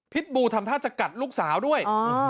พิษบูมันทำท่าจะกัดลูกสาวด้วย